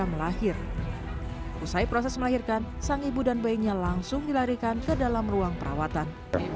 melahir usai proses melahirkan sang ibu dan bayinya langsung dilarikan ke dalam ruang perawatan